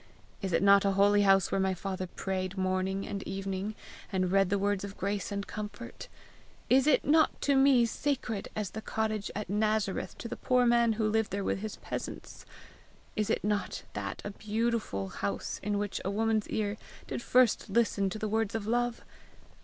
Is it not a holy house where my father prayed morning and evening, and read the words of grace and comfort? Is it not to me sacred as the cottage at Nazareth to the poor man who lived there with his peasants? And is not that a beautiful house in which a woman's ear did first listen to the words of love?